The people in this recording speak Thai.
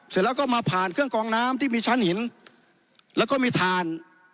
เสร็จแล้วก็มาผ่านเครื่องกองน้ำที่มีชั้นหินแล้วก็มีถ่าน